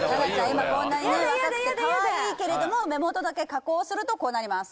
今こんなにねヤダヤダヤダ若くてかわいいけれども目元だけ加工するとこうなります